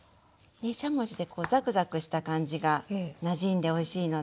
でしゃもじでこうザクザクした感じがなじんでおいしいので。